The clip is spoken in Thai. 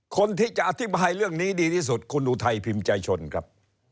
คนที่จะอธิบายเรื่องนี้ดีที่สุดคุณอุทัยพิมพ์ใจชนครับ